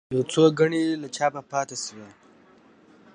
یو څو ګڼې له چاپه پاتې شوې.